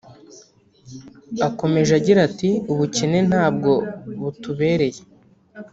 Akomeje agira ati ‘Ubukene ntabwo butubereye